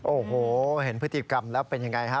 โอ้โหเห็นพฤติกรรมแล้วเป็นยังไงฮะ